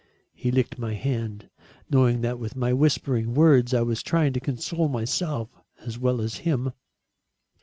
He licked my hand, knowing that with my whispering words, I was trying to console myself as well as him.